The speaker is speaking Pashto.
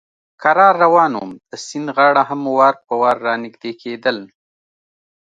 کرار روان ووم، د سیند غاړه هم وار په وار را نږدې کېدل.